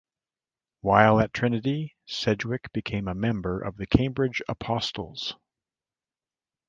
While at Trinity, Sidgwick became a member of the Cambridge Apostles.